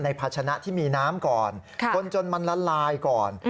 ในผัศนาที่มีน้ำก่อนคลนจนมันละลายก่อน